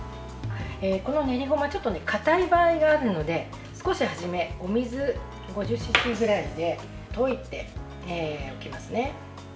この練りごまちょっとかたい場合があるので少しはじめお水５０ｃｃぐらいで溶いておきますね。